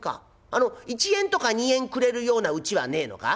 あの１円とか２円くれるようなうちはねえのか？」。